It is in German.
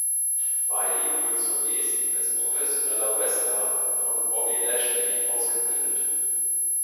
Miley wurde zunächst als professioneller Wrestler von Bobby Lashley ausgebildet.